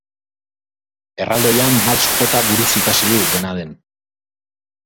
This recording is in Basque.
Erraldoian balts-jota buruz ikasi du, dena den.